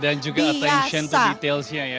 dan juga attention to detailsnya ya